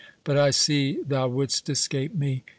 —But I see thou wouldst escape me.